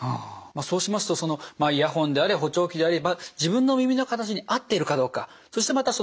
そうしますとイヤホンであれ補聴器であれ自分の耳の形に合っているかどうかそしてまた長時間使用しすぎない